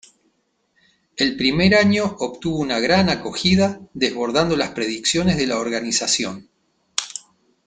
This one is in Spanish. El primer año obtuvo una gran acogida desbordando las predicciones de la organización.